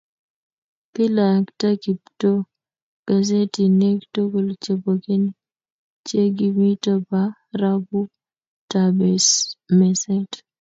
kilakta Kiptoo gasetinik tugul chebo keny che kimito barakutab meset